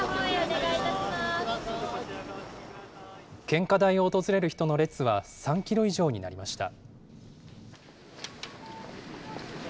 献花台を訪れる人の列は３キロ以上になりました。